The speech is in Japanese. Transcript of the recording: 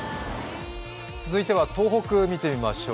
続いては東北から見ていきましょう。